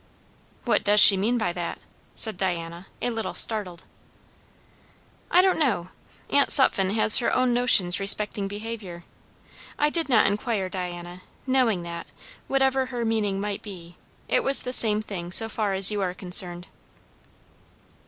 "What does she mean by that?" said Diana, a little startled. "I don't know! Aunt Sutphen has her own notions respecting behaviour. I did not inquire, Diana; knowing that, whatever her meaning might be, it was the same thing so far as you are concerned."